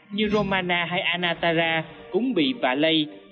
như romana hay anatara cũng bị vạ lây